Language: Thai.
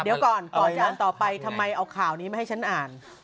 เดี๋ยวก่อนก่อนจะอ่านต่อไปทำไมเอาข่าวนี้มาให้ฉันอ่าน